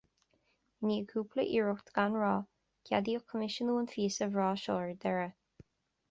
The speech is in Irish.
I ndiaidh cúpla iarracht gan rath, ceadaíodh coimisiúnú an phíosa bhreá seo ar deireadh